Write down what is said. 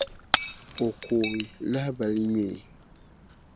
O kooi lahabali ŋmee.